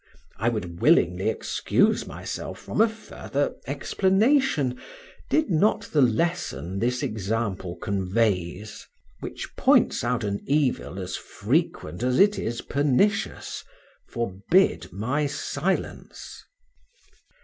I would willingly excuse myself from a further explanation, did not the lesson this example conveys (which points out an evil as frequent as it is pernicious) forbid my silence.